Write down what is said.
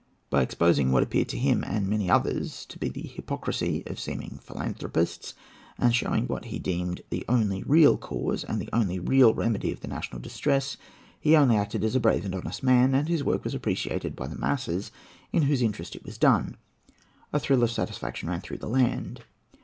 By exposing what appeared to him and many others to be the hypocrisy of seeming philanthropists, and showing what he deemed the only real cause and the only real remedy of the national distress, he only acted as a brave and honest man, and his work was appreciated by the masses in whose interest it was done. A thrill of satisfaction ran through the land.